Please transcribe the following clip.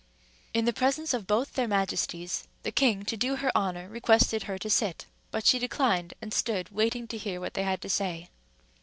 In the presence of both their Majesties, the king, to do her honor, requested her to sit; but she declined, and stood waiting to hear what they had to say.